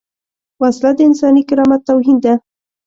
وسله د انساني کرامت توهین ده